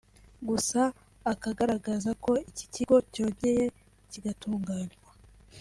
Gusa akagaragaza ko iki kigo cyongeye kigatunganywa